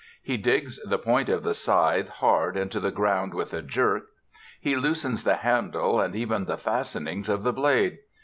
He digs the point of the scythe hard into the ground with a jerk. He loosens the handles and even the fastening of the blade.